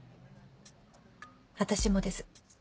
私もです。